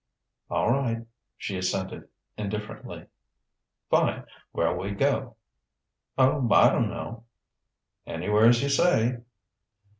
"All right," she assented indifferently. "Fine! Where'll we go?" "Oh, I don't know...." "Anywheres you say."